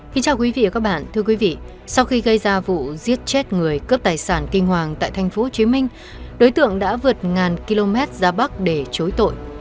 xin chào quý vị và các bạn thưa quý vị sau khi gây ra vụ giết chết người cướp tài sản kinh hoàng tại thành phố hồ chí minh đối tượng đã vượt ngàn km ra bắc để chối tội